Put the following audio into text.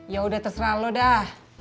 yaudah terserah lo dah